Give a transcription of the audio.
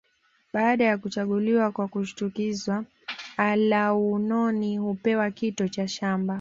Baada ya kuchaguliwa kwa kushtukizwa alaunoni hupewa kito cha shaba